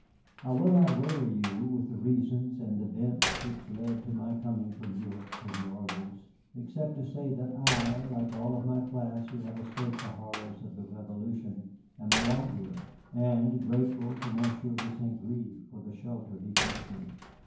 I will not weary you with the reasons and events which led to my coming from Europe to New Orleans, except to say that I, like all of my class who have escaped the horrors of the Revolution, am a wanderer, and grateful to Monsieur de St. Gré for the shelter he gives me.